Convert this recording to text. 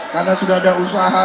karena sudah ada usaha